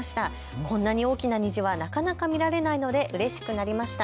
こんなに大きな虹はなかなか見られないのでうれしくなりました。